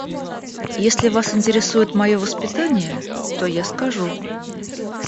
Если вас интересует моё воспитание, то я скажу.